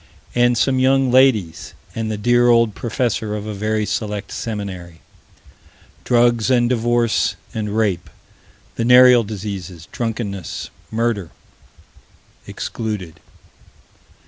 And some young ladies and the dear old professor of a very "select" seminary. Drugs and divorce and rape: venereal diseases, drunkenness, murder Excluded.